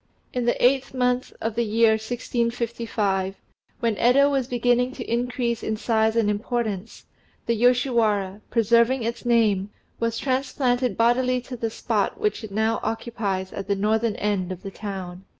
In the eighth month of the year 1655, when Yedo was beginning to increase in size and importance, the Yoshiwara, preserving its name, was transplanted bodily to the spot which it now occupies at the northern end of the town.